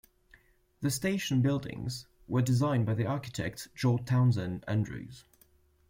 The station buildings were designed by the architect George Townsend Andrews.